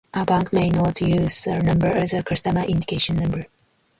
A bank may not use the number as a customer identification number.